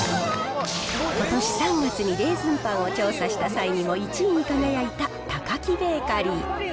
ことし３月にレーズンパンを調査した際にも１位に輝いたタカキベーカリー。